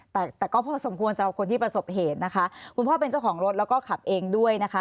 แต่แต่ก็พอสมควรสำหรับคนที่ประสบเหตุนะคะคุณพ่อเป็นเจ้าของรถแล้วก็ขับเองด้วยนะคะ